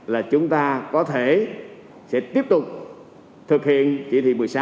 là chúng ta có thể sẽ tiếp tục thực hiện chỉ thị một mươi sáu